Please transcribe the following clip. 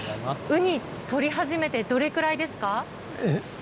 ウニ、取り始めてどれくらいですか？